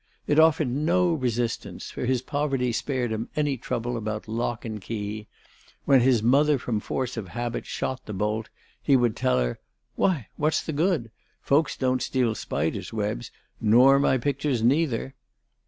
It offered no resistance, for his poverty spared him any trouble about lock and key; when his mother from force of habit shot the bolt, he would tell her: "Why, what's the good? Folks don't steal spiders' webs, nor my pictures, neither."